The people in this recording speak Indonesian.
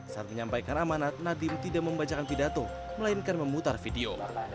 saat menyampaikan amanat nadiem tidak membacakan pidato melainkan memutar video